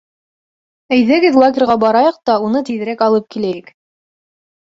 — Әйҙәгеҙ, лагерға барайыҡ та уны тиҙерәк алып киләйек.